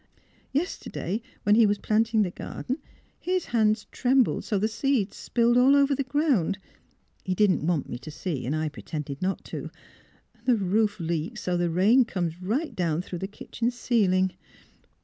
Yesterday when he was planting the garden his hands trembled so the seeds spilled all over the ground. He didn't want 94 THE HEART OF PHILURA me to see, and I pretended not to. And the roof leaks so the rain comes right down through the kitchen ceiling.